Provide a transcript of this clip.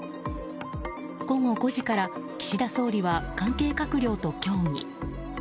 午後５時から岸田総理は関係閣僚と協議。